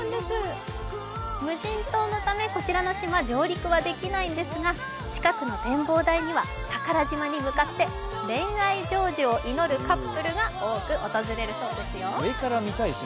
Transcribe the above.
無人島のため、こちらの島、上陸はできないんですが、近くの展望台には宝島に向かって恋愛成就を祈るカップルが多く訪れるそうですよ。